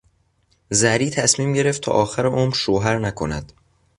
زری تصمیم گرفت تا آخر عمر شوهر نکند.